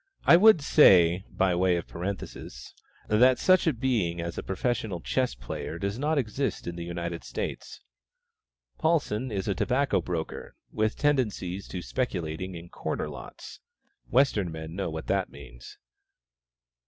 I would say, by way of parenthesis, that such a being as a professional chess player does not exist in the United States. Paulsen is a tobacco broker, with tendencies to speculating in "corner lots." (Western men know what that means.)